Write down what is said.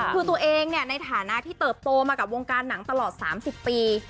คือตัวเองในฐานะที่เติบโตมากับวงการหนังตลอด๓๐ปี